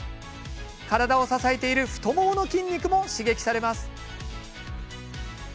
体を支えている太ももの筋肉も刺激されます。